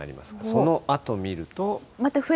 そのあと見ると。